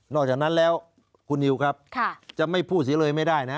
อกจากนั้นแล้วคุณนิวครับจะไม่พูดเสียเลยไม่ได้นะ